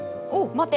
待て。